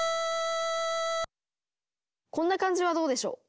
こんな感じはどうでしょう？